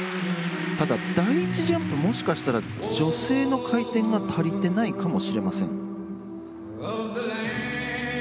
ただ第１ジャンプもしかしたら女性の回転が足りてないかもしれません。